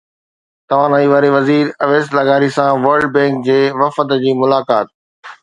توانائي واري وزير اويس لغاري سان ورلڊ بينڪ جي وفد جي ملاقات